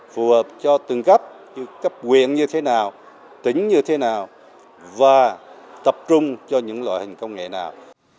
phù hợp cho từng cấp quyền như thế nào tính như thế nào và tập trung cho những loại hình công nghệ nào